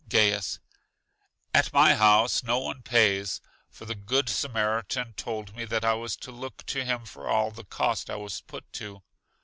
Gaius: At my house no one pays; for the good Samaritan told me that I was to look to him for all the cost I was put to.